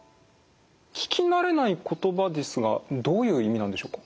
聞き慣れない言葉ですがどういう意味なんでしょうか。